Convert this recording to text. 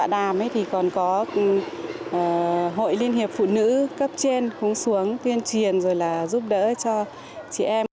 đàm ấy thì còn có hội liên hiệp phụ nữ cấp trên khung xuống tuyên truyền rồi là giúp đỡ cho trẻ em